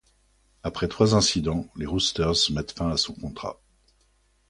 Après trois incidents, les Roosters mettent fin à son contrat.